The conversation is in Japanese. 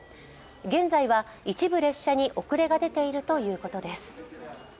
現在は一部列車に遅れが出ているということです。